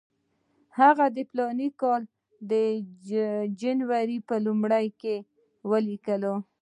هغه د فلاني کال د جولای پر لومړۍ ولیکل.